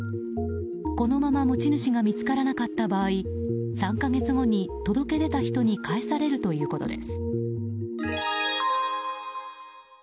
このまま持ち主が見つからなかった場合３か月後に届け出た人に返されるということです。